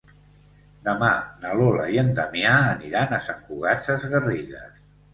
Demà na Lola i en Damià aniran a Sant Cugat Sesgarrigues.